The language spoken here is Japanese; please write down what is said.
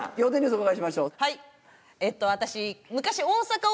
お伺いしましょう。